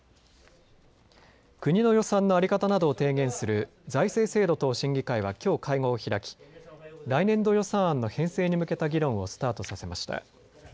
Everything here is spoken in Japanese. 国の予算の在り方などを提言する財政制度等審議会はきょう会合を開き、来年度予算案の編成に向けた議論をスタートさせました。